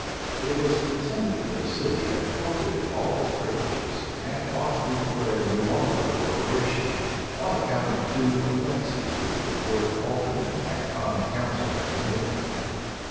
It was pretended, that the city had forfeited all its privileges, and ought to be declared no longer a corporation, on account of two offences which the court of aldermen and common council had committed.